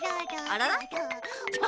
あらら？